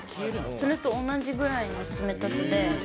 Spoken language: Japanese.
それと同じぐらいの冷たさで。